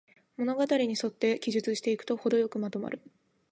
物語にそって記述していくと、ほどよくまとまる